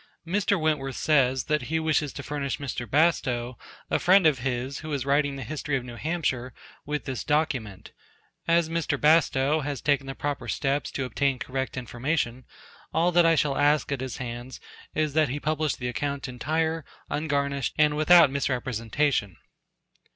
Mr. Wentworth says, that he wishes to furnish Mr. Bastow, a friend of his, who is writing the history of New Hampshire, with this document. As Mr. Bastow has taken the proper steps to obtain correct information, all that I shall ask at his hands is that he publish the account entire, ungarnished, and without misrepresentation.